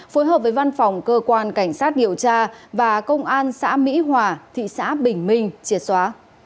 phối hợp với văn phòng cơ quan cảnh sát điều tra và công an xã mỹ hòa thị xã bình minh triệt xóa